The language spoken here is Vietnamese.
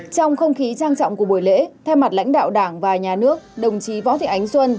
trong không khí trang trọng của buổi lễ theo mặt lãnh đạo đảng và nhà nước đồng chí võ thị ánh xuân